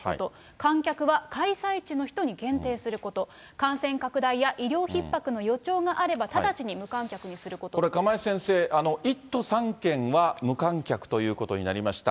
観客は開催地の人に限定すること、感染拡大や医療ひっ迫の予兆があれば、これ、釜萢先生、１都３県は無観客ということになりました。